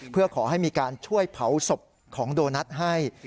เพื่อขอให้มีการช่วยเผาศพของโดนัทให้